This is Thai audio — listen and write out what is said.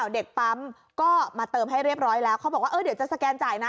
เด็กปั๊มก็มาเติมให้เรียบร้อยแล้วเขาบอกว่าเดี๋ยวจะสแกนจ่ายนะ